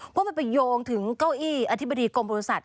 เพราะมันไปโยงถึงเก้าอี้อธิบดีกรมบริษัท